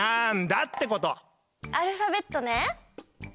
アルファベットね。